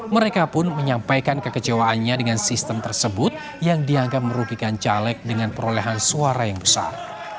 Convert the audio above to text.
mereka pun menyampaikan kekecewaannya dengan sistem tersebut yang dianggap merugikan caleg dengan perolehan suara yang besar